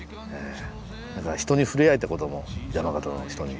何か人に触れ合えた事も山形の人に。